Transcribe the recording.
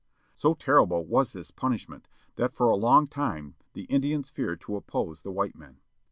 So terrible was this punishment that for a long time the Indians feared to oppose the white men.